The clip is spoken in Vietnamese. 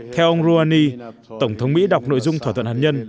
theo ông rouhani tổng thống mỹ đọc nội dung thỏa thuận hạt nhân